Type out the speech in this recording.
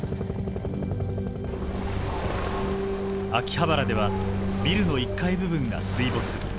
秋葉原ではビルの１階部分が水没。